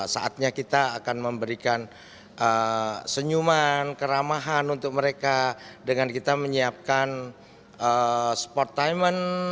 saatnya kita akan memberikan senyuman keramahan untuk mereka dengan kita menyiapkan sport timement